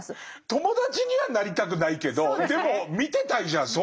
友達にはなりたくないけどでも見てたいじゃんそういう人。